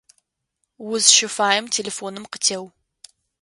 Узщыфаем телефоным къытеу.